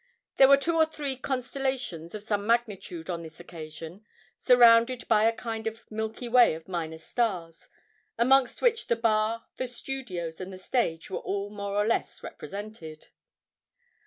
There were two or three constellations of some magnitude on this occasion, surrounded by a kind of 'milky way' of minor stars, amongst which the bar, the studios, and the stage were all more or less represented.